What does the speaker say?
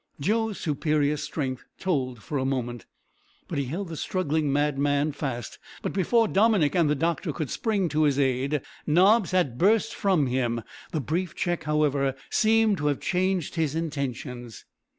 Joe's superior strength told for a moment, and he held the struggling madman fast, but before Dominick and the doctor could spring to his aid, Nobbs had burst from him. The brief check, however, seemed to have changed his intentions.